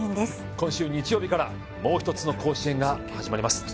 今週日曜日からもう一つの甲子園が始まります